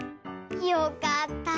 よかった。